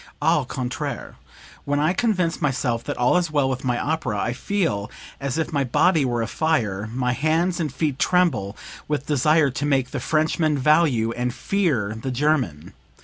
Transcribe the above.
Au contraire when I convince myself that all is well with my opera, I feel as if my body were afire my hands and feet tremble with desire to make the Frenchman value and fear the German.